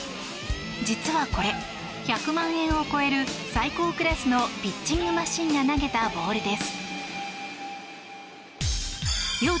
実はこれ、１００万円を超える最高クラスのピッチングマシンが投げたボールです。